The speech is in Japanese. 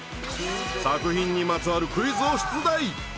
作品にまつわるクイズを出題。